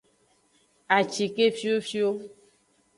Acike fiofio.